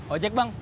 oh jack bang